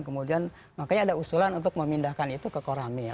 kemudian makanya ada usulan untuk memindahkan itu ke koramil